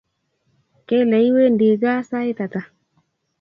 Kele iwendi gaa sait ata